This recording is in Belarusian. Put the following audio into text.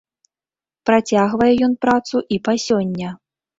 Працягвае ён працу і па сёння.